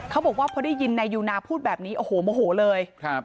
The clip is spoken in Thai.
เขาบอกว่าพอได้ยินนายยูนาพูดแบบนี้โอ้โหโมโหเลย